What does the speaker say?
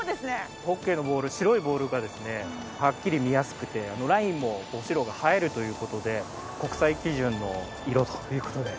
ホッケーのボール白いボールがですねはっきり見やすくてラインも白が映えるという事で国際基準の色という事で。